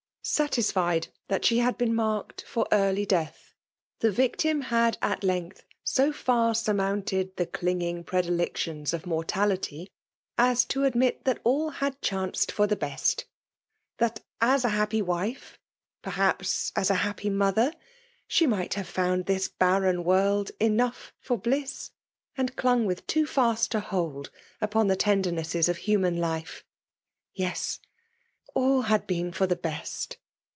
. Satisfied that she had been marked for eiEirly death, the victim had at length so £EUr suf tnounted the clinging predilections of mor tality, as to admit that all had chanted for the best ; that as a happy wife — ^perhftps a happy mother — she might have found this 4>arren world " enough for bliss," and clung with too fast a hold upon the tendernesses of human life. Yes ! all had been for the best